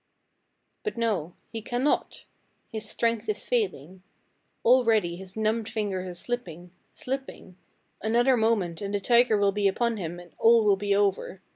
"But no; he cannot! His strength is failing. Already his numbed fingers are slipping slipping another moment and the tiger will be upon him and all will be over.